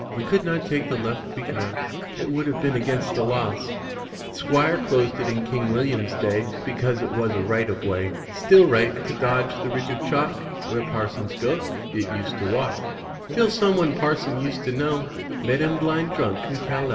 We could not take the left because It would have been against the laws; Digitized by CjOOQ IC 272 THE FLYING INN Squire closed it in King William's day V Because it was a Right of Way. 4 Still right; to dodge the ridge of chalk I Where Parson's Ghost it used to walk, 1 Till someone Parson used to know j Met him blind drunk in Callao.